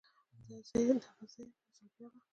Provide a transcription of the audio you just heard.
دا به زه یم، یوځل بیا به